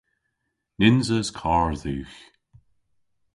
Nyns eus karr dhywgh.